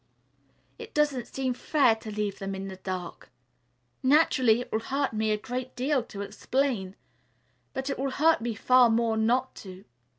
It doesn't seem fair to leave them in the dark. Naturally it will hurt me a great deal to explain, but it will hurt me far more not to.